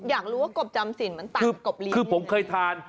อยากรู้ว่ากบจำสินมันตักกบลิ้นคือผมเคยทาน